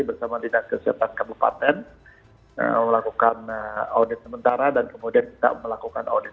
bersama dinas kesehatan kabupaten melakukan audit sementara dan kemudian kita melakukan audit